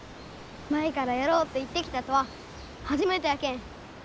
舞からやろうって言ってきたとは初めてやけん。